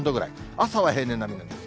朝は平年並みなんです。